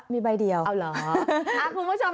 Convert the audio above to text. มีใบเดียวเอาเหรอคุณผู้ชม